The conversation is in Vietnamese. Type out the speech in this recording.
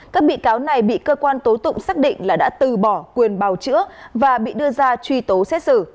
các bị cáo này bị cơ quan tố tụng xác định là đã từ bỏ quyền bào chữa và bị đưa ra truy tố xét xử